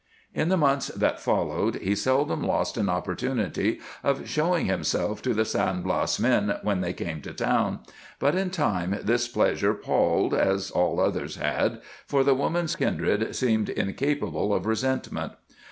In the months that followed he seldom lost an opportunity of showing himself to the San Blas men when they came to town, but in time this pleasure palled as all others had, for the woman's kindred seemed incapable of resentment.